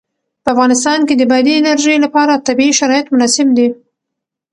په افغانستان کې د بادي انرژي لپاره طبیعي شرایط مناسب دي.